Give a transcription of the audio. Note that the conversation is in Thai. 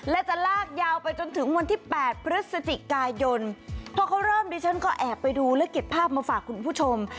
และจะลากยาวไปจนถึงวันที่๘พฤศจิกายนพอเขาเริ่มดิฉันก็แอบไปดูและเก็บภาพมาฝากคุณผู้ชม